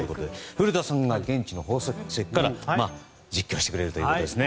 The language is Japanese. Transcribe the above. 古田さんが現地の放送席から実況してくれるということです。